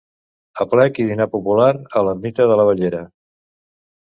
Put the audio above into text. Aplec i dinar popular a l'Ermita de l'Abellera.